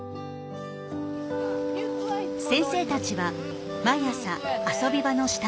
先生たちは毎朝遊び場の下見をします。